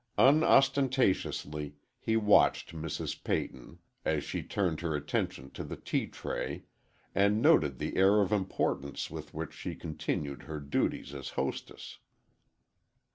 Unostentatiously, he watched Mrs. Peyton, as she turned her attention to the tea tray, and noted the air of importance with which she continued her duties as hostess.